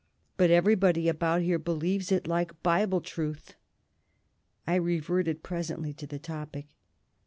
But everybody about here believes it like Bible truth." I reverted presently to the topic.